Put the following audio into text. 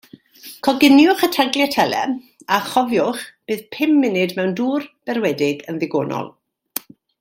Coginiwch y tagliatelle, a chofiwch, bydd pum munud mewn dŵr berwedig yn ddigonol.